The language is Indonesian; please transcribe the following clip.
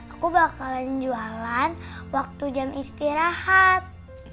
aku bakalan jualan waktu jam istirahat